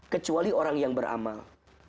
kecuali orang yang beramal